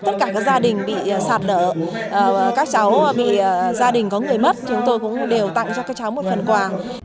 tất cả các gia đình bị sạt lở các cháu bị gia đình có người mất chúng tôi cũng đều tặng cho các cháu một phần quà